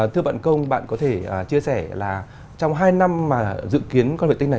thưa bạn công bạn có thể chia sẻ là trong hai năm mà dự kiến con vệ tinh này